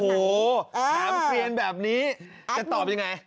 โอ้โหถามเกลียนแบบนี้จะตอบยังไง